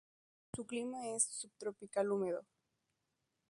Su clima es subtropical húmedo.